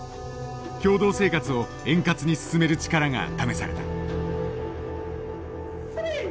共同生活を円滑に進める力が試された。